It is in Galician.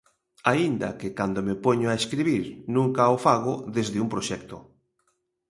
Aínda que cando me poño a escribir nunca o fago desde un proxecto.